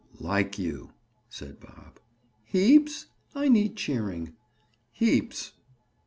"Like you," said Bob. "Heaps? I need cheering." "Heaps."